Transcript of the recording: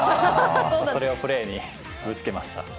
それをプレーにぶつけました。